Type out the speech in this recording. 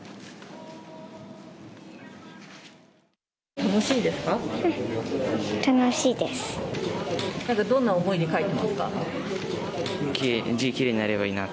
楽しいですか。